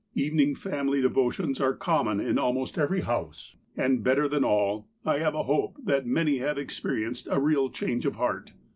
Evening family devo tions are common in almost every house, and, better than all, I have a hope that many have experienced a real change of heart.